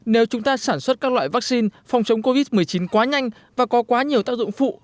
nếu chúng ta sản xuất các loại vaccine phòng chống covid một mươi chín quá nhanh và có quá nhiều tác dụng phụ